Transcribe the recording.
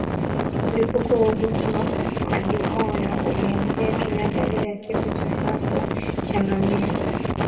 Mlipuko wa ugonjwa wa majimoyo ulianzia Kenya baada ya kifo cha ghafla cha ngamia